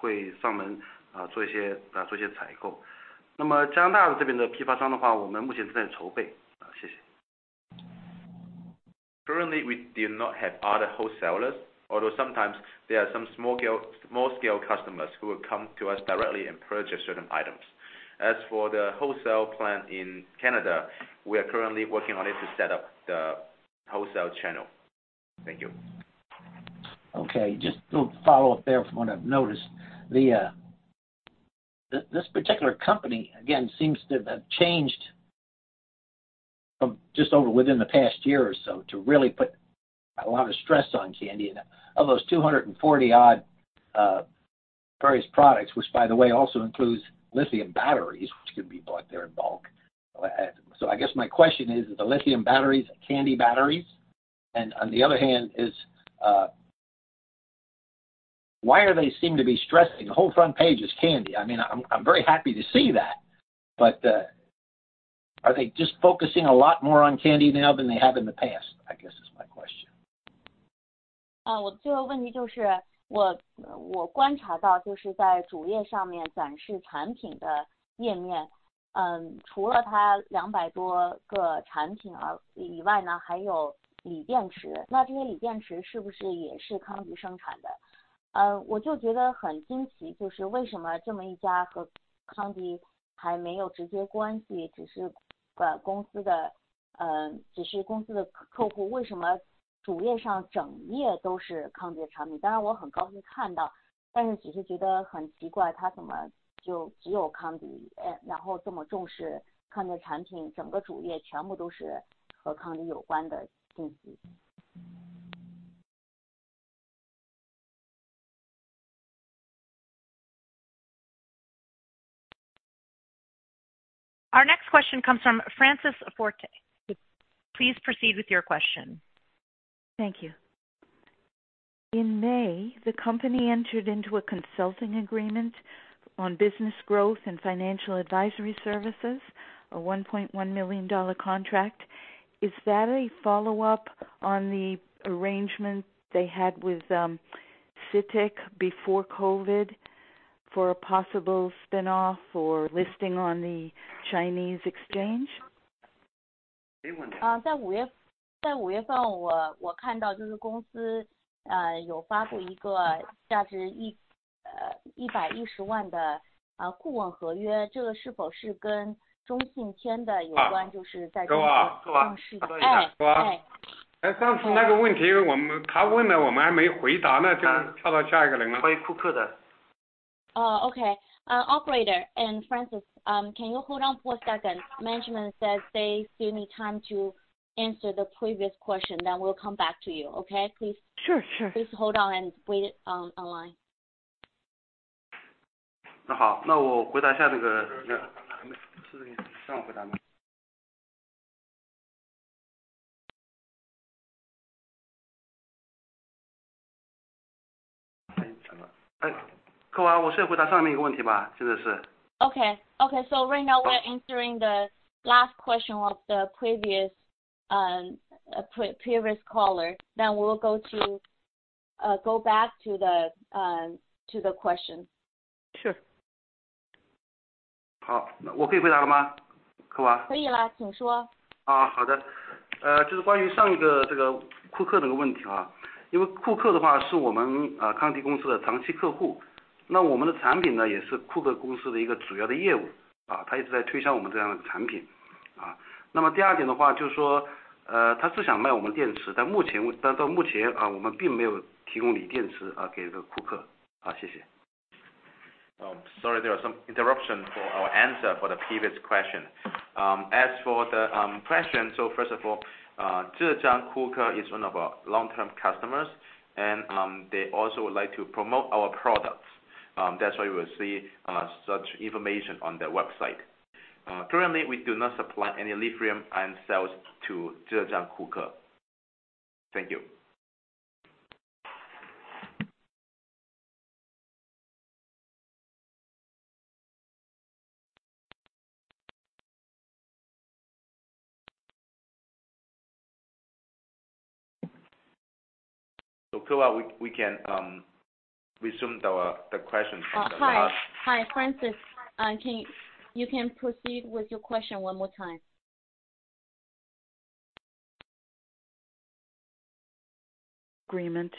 会上门 啊， 做一 些， 做一些采购。那么加拿大这边的批发商的 话， 我们目前正在筹备。谢谢。Currently, we do not have other wholesalers, although sometimes there are some small scale, small scale customers who will come to us directly and purchase certain items. As for the wholesale plan in Canada, we are currently working on it to set up the wholesale channel. Thank you. OK, 就 follow up there from what I've noticed, this, this particular company again seems to have changed from just over within the past year or so to really put a lot of stress on Kandi. Of those 240 odd, various products, which by the way, also includes lithium batteries, which could be bought there in bulk. I guess my question is, are the lithium batteries Kandi batteries? On the other hand, is why are they seem to be stressing the whole front page is Kandi? I mean, I'm, I'm very happy to see that, but are they just focusing a lot more on Kandi now than they have in the past? I guess is my question. 我最后一个问题就 是， 我， 我观察到就是在主页上面展示产品的页 面， 除了它 200多 个产品而以外 呢， 还有锂电 池， 那这些锂电池是不是也是 Kandi 生产 的？ 我就觉得很惊 奇， 就是为什么这么一家和 Kandi 还没有直接关 系， 只是公司 的， 只是公司的客 户， 为什么主页上整页都是 Kandi 的产 品？ 当然我很高兴看 到， 但是只是觉得很奇 怪， 他怎么就只有 Kandi， 然后这么重视 Kandi 的产 品， 整个主页全部都是和 Kandi 有关的信息。Our next question comes from Francis Forte. Please proceed with your question. Thank you. In May, the company entered into a consulting agreement on business growth and financial advisory services, a $1.1 million contract. Is that a follow up on the arrangement they had with CITIC before COVID for a possible spin-off or listing on the Chinese exchange? 啊， 在五 月， 在五月 份， 我， 我看到就是公司 啊， 有发出一个价值 一， 呃， 一百一十万的 啊， 顾问合 约， 这个是否是跟中信签的有 关， 就是在这个-是 吧， 是 吧？ 哎. 是 吧？ 哎. 哎， 上次那个问题我 们， 他问 了， 我们还没回答 呢， 就跳到下一个人了。关于库克的。Oh, OK, Operator, and Francis, can you hold on for a second? Management says they still need time to answer the previous question, then we'll come back to you. OK, please. Sure，sure。Please hold on and wait on, online. 那 好， 那我回答一下那 个... 让我回答 吗？ 哎， Kewa， 我是回答上面一个问题 吧， 是不 是？ OK, OK, right now we are answering the last question of the previous pre-previous caller. We will go back to the question. Sure。好， 那我可以回答了 吗？ 科瓦。可以 啦， 请说。啊， 好的。呃， 就是关于上一个这个库克的问题 啊， 因为库克的话是我们 啊， 康迪公司的长期客 户。... 那我们的产品 呢, 也是 Cuckoo Company 的一个主要的业 务, 他一直在推销我们这样的产 品. 那么第二点的话就是 说, 他是想卖我们电 池, 但目 前, 但到目 前, 我们并没有提供锂电池给这个 Cuckoo. 好, 谢 谢. Sorry, there are some interruption for our answer for the previous question. As for the question, first of all, 浙江库克 is one of our long-term customers, and they also like to promote our products, that's why you will see such information on their website. Currently, we do not supply any lithium ion cells to 浙江库 克. Thank you. Kewa, we, we can resume the question from the last- Hi, hi, Francis. Can you, you can proceed with your question one more time. Agreement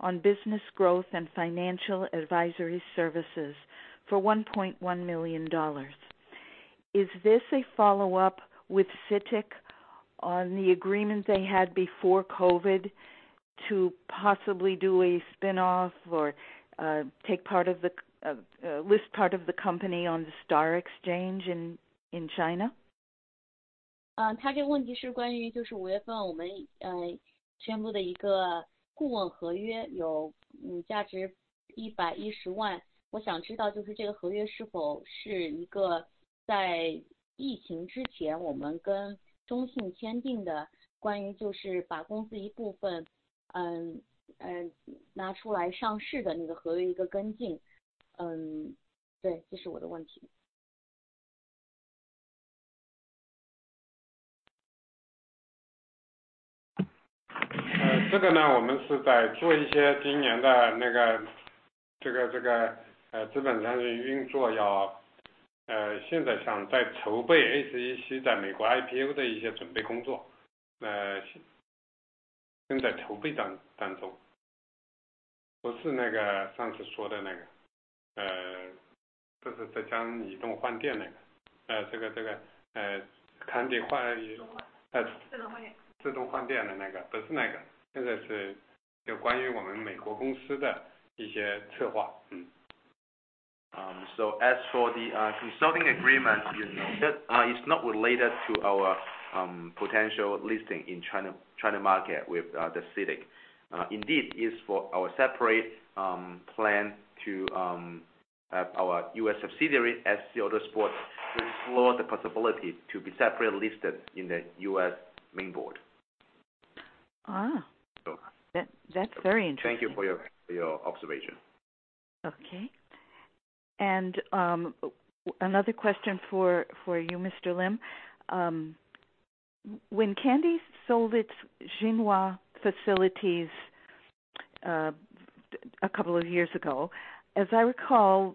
on business growth and financial advisory services for $1.1 million. Is this a follow-up with CITIC on the agreement they had before COVID to possibly do a spin-off or take part of the list part of the company on the STAR Market in China? 他这个问题是关于就是五月份我们宣布的一个顾问合 约， 有价值 $1.1 million. 我想知道就是这个合约是否是一个在疫情之前我们跟中信签订 的， 关于就是把公司一部分拿出来上市的那个合约一个跟 进. 对， 这是我的问 题. 这个 呢， 我们是在做一些今年的那个。现在想在筹备 ACC 在美国 IPO 的一些准备工 作， 正在筹备当中。不是那个上次说的那 个， 就是浙江移动换电那 个， Kandi 换。自动换电。自动换电的那 个， 不是那 个， 现在是就关于我们美国公司的一些策划。As for the consulting agreement, you know, it's not related to our potential listing in China, China market with the CITIC, indeed, is for our separate plan to our U.S. subsidiary as the SC Autosports, to explore the possibility to be separately listed in the U.S. main board. That's very interesting. Thank you for your, your observation. Okay. Another question for, for you, Mr. Ling. When Kandi sold its Jinhua facilities a couple of years ago, as I recall,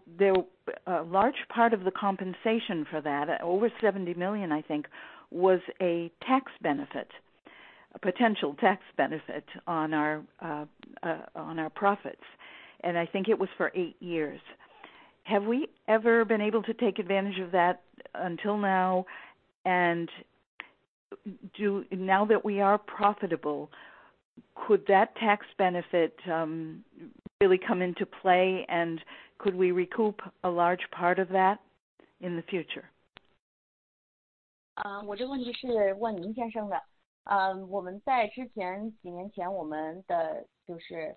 a large part of the compensation for that, over $70 million, I think, was a tax benefit, a potential tax benefit on our profits, and I think it was for eight years. Have we ever been able to take advantage of that until now? Now that we are profitable, could that tax benefit really come into play? Could we recoup a large part of that in the future? 啊， 我这个问题是问林先生的。呃， 我们在之 前， 几年前我们的就 是，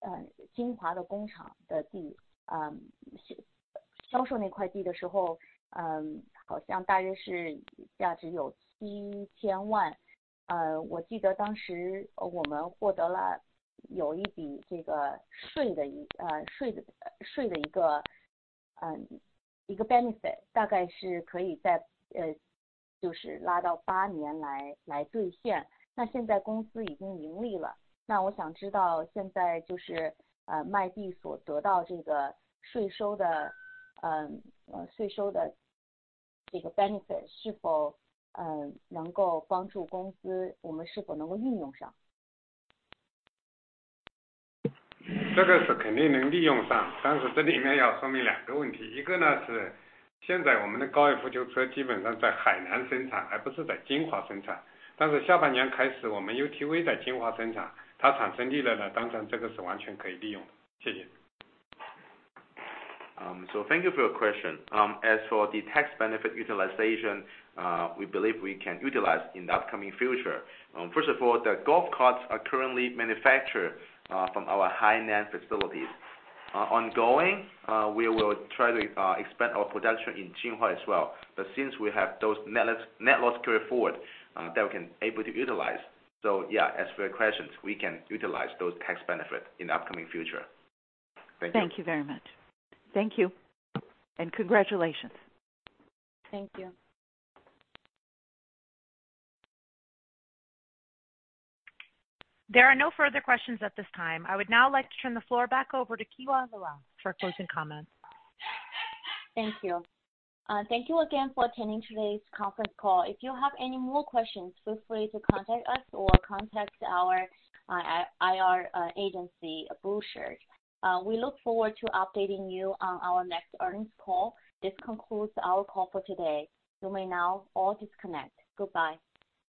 呃， 金华的工厂的 地， 嗯， 销-销售那块地的时 候， 嗯， 好像大约是价值有七千万。呃， 我记得当时我们获得了有一笔这个税的 一， 呃， 税 的， 税的一 个， 嗯， 一个 benefit， 大概是可以 在， 呃， 就是拉到八年来来兑现。那现在公司已经盈利 了， 那我想知道现在就 是， 呃， 卖地所得到这个税收 的， 嗯， 呃， 税收的这个 benefit， 是 否， 嗯， 能够帮助公 司， 我们是否能够运用 上？ 这个是肯定能利用 上， 但是这里面要说明两个问 题， 一个呢是现在我们的高尔夫球车基本上在海南生 产， 还不是在金华生 产， 但是下半年开 始， 我们 UTV 在金华生 产， 它产生利润 了， 当然这个是完全可以利用。谢谢。Thank you for your question. As for the tax benefit utilization, we believe we can utilize in the upcoming future. First of all, the golf carts are currently manufactured from our Hainan facilities. Ongoing, we will try to expand our production in Jinhua as well, but since we have those net, net loss carry forward that we can able to utilize. Yeah, as for your questions, we can utilize those tax benefits in the upcoming future. Thank you very much. Thank you and congratulations! Thank you. There are no further questions at this time. I would now like to turn the floor back over to Kewa Luo for closing comments. Thank you. Thank you again for attending today's conference call. If you have any more questions, feel free to contact us or contact our IR agency, The Blueshirt Group. We look forward to updating you on our next earnings call. This concludes our call for today. You may now all disconnect. Goodbye!